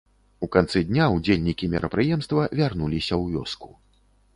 У канцы дня ўдзельнікі мерапрыемства вярнуліся ў вёску.